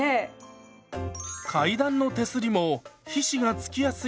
階段の手すりも皮脂がつきやすい場所です。